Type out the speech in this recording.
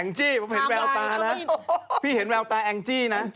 แองจี้พี่เห็นแววตาแองจี้นะ